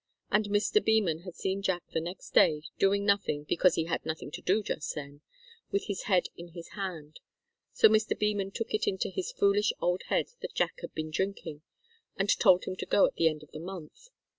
And Mr. Beman had seen Jack the next day, doing nothing, because he had nothing to do just then, and with his head in his hand. So Mr. Beman took it into his foolish old head that Jack had been drinking, and told him to go at the end of the month.